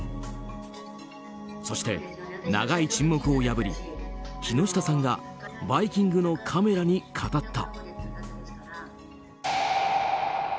そして、長い沈黙を破り木下さんが「バイキング」のカメラに語った。